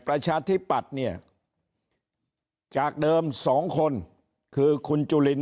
ประชาธิปัตย์เนี่ยจากเดิมสองคนคือคุณจุลิน